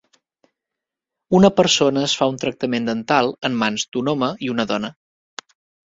Una persona es fa un tractament dental en mans d'un home i una dona.